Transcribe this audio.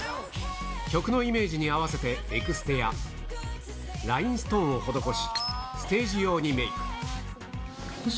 曲のイメージに合わせてエクステや、ラインストーンを施し、ステージ用にメーク。